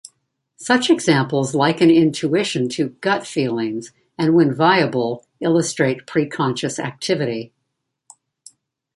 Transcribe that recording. Such examples liken intuition to "gut feelings" and when viable illustrate preconscious activity.